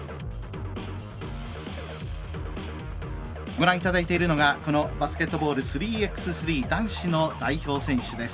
ご覧いただいているのがバスケットボール３ｘ３の男子の代表選手です。